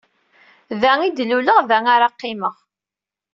Da ay d-luleɣ, da ara qqimeɣ.